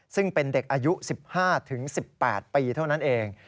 ซึ่งเป็นเด็กอายุ๑๕๑๘ปีเท่านั้นเอง